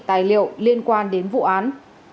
tài liệu liên quan đến vụ án